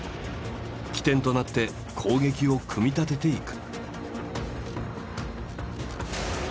起点となって攻撃を組み立てていく。